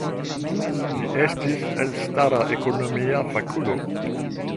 Li estis elstara ekonomia fakulo.